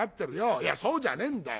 いやそうじゃねえんだよ。